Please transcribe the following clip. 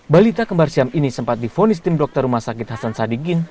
balita kembar siam ini sempat difonis tim dokter rumah sakit hasan sadikin